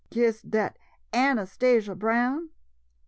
Kissed dat Anastasia Brown?